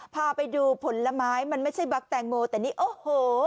พาไปดูผลไม้มันไม่ใช่บั๊กแตงโมแต่นี่โอ้โห